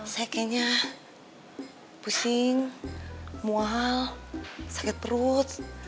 saya kayaknya pusing mual sakit perut